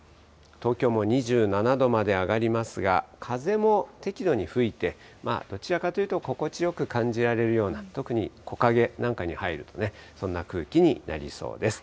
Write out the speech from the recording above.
東京も２７度まで上がりますが、風も適度に吹いて、まあ、どちらかというと心地よく感じられるような、特に木陰なんかに入るとそんな空気になりそうです。